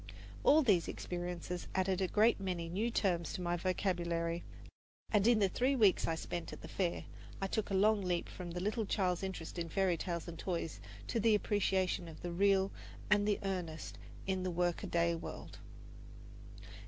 All these experiences added a great many new terms to my vocabulary, and in the three weeks I spent at the Fair I took a long leap from the little child's interest in fairy tales and toys to the appreciation of the real and the earnest in the workaday world.